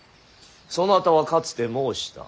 そなたはかつて申した。